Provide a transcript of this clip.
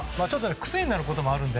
癖になることもあるので。